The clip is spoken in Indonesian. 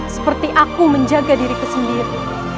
seperti aku menjaga diriku sendiri